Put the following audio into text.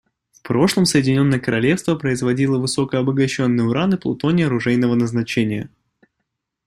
В прошлом Соединенное Королевство производило высокообогащенный уран и плутоний оружейного назначения.